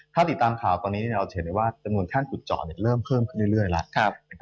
ถ้าติดตามข่าวตอนนี้เราจะเห็นได้ว่าจำนวนท่านขุดเจาะเริ่มเพิ่มขึ้นเรื่อยแล้ว